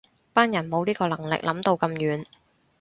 班人冇呢個能力諗到咁遠